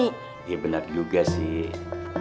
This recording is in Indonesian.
iya bener juga sih